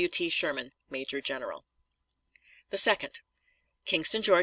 W. T. SHERMAN, Major General. The second: KINGSTON, GA.